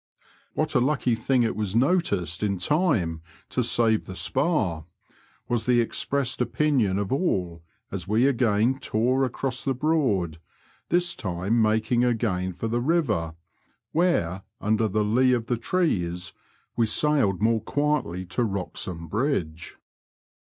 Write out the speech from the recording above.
« What a lucky thing it was noticed in time to save the spar," was the expressed opinion of all as we again tore acrQss the Broad, this time making again for the river, where, under the lee of the trees, we sailed more quietly to Wroxham Bridge.